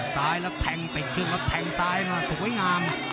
ซ้ายละแทงเป็ดครึ่งและแท่งซ้ายมาสวยงาม